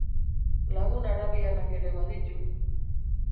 Lagun arabiarrak ere baditu.